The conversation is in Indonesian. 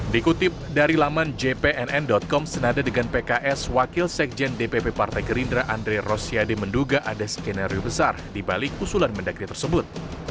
dikutip dari laman jpnn com senada dengan pks wakil sekjen dpp partai gerindra andre rosiade menduga ada skenario besar dibalik usulan mendagri tersebut